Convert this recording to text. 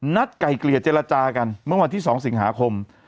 ไก่เกลี่ยเจรจากันเมื่อวันที่๒สิงหาคม